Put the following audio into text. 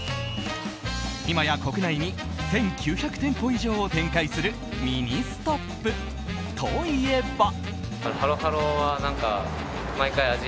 今や国内に１９００店舗以上を展開するミニストップといえば。